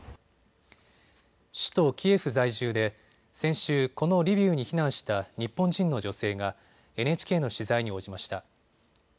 首都キエフ在住で先週、このリビウに避難した日本人の女性がＮＨＫの取材に応じました。